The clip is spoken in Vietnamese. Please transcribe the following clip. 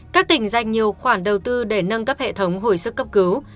các tỉnh dành nhiều khoản đầu tư để nâng cấp hệ thống hồi sức cấp cứu